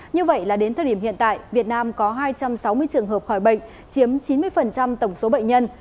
như vậy là đến thời điểm hiện tại việt nam có hai trăm sáu mươi trường hợp khỏi bệnh chiếm chín mươi tổng số bệnh nhân